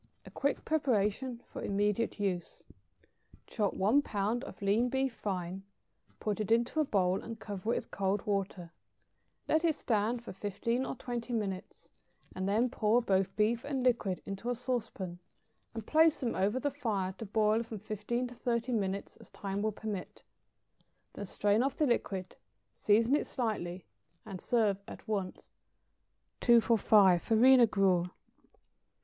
= (A quick preparation for immediate use.) Chop one pound of lean beef fine, put it into a bowl, and cover it with cold water; let it stand for fifteen or twenty minutes, and then pour both beef and liquid into a sauce pan, and place them over the fire to boil from fifteen to thirty minutes as time will permit; then strain off the liquid, season it slightly, and serve it at once. 245. =Farina Gruel.